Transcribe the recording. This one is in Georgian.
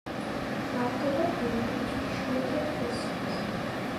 მრავლდება ბოლქვით, იშვიათად თესლით.